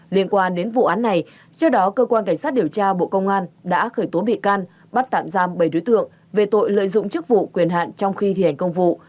liên quan đến vụ án này trước đó cơ quan cảnh sát điều tra bộ công an đã khởi tố bị can bắt tạm giam bảy đối tượng về tội lợi dụng chức vụ quyền hạn trong khi thi hành công vụ